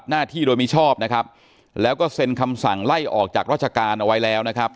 หน้าที่โดยมิชอบนะครับแล้วก็เซ็นคำสั่งไล่ออกจากราชการเอาไว้แล้วนะครับ